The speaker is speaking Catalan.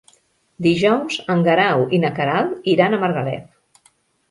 Dijous en Guerau i na Queralt iran a Margalef.